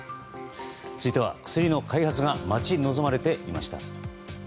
続いては薬の開発が待ち望まれていました。